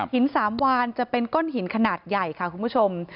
สามวานจะเป็นก้อนหินขนาดใหญ่ค่ะคุณผู้ชม